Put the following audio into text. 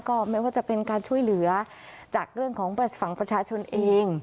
ไม่ว่าจะเป็นการช่วยเหลือจากเรื่องของฝั่งประชาชนเอง